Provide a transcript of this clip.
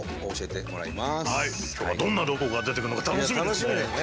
今日はどんなロコが出てくるのか楽しみですね！